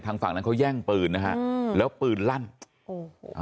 ฝั่งนั้นเขาแย่งปืนนะฮะอืมแล้วปืนลั่นโอ้โห